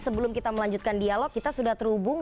sebelum kita melanjutkan dialog kita sudah terhubung